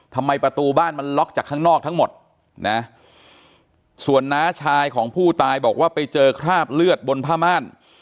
ทำไมประตูบ้านมันล็อกจากข้างนอกทั้งหมดนะส่วนน้าชายของผู้ตายบอกว่าไปเจอคราบเลือดบนผ้าม่าน